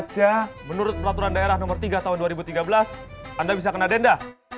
ya menurut peraturan daerah nomor tiga tahun dua ribu tiga belas anda bisa kena denda